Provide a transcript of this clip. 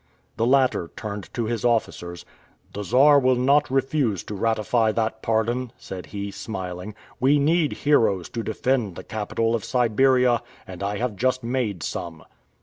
The latter, turned to his officers, "The Czar will not refuse to ratify that pardon," said he, smiling; "we need heroes to defend the capital of Siberia, and I have just made some."